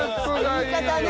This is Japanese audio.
言い方ね。